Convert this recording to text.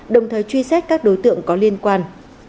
đồng thời truy xét các đối tượng có liên quan